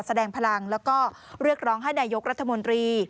แสดงพลังแล้วก็เรียกร้องให้นายกรัฐมนตรี